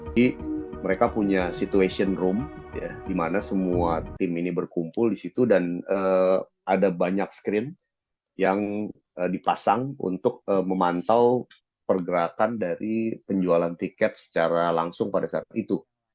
jadi mereka punya situation room di mana semua tim ini berkumpul di situ dan ada banyak screen yang dipasang untuk memantau pergerakan dari penjualan tiket secara langsung pada saat itu